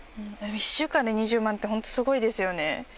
１週間で２０万って、本当すごいですよね。